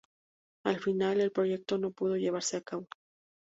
Al final, el proyecto no pudo llevarse a cabo.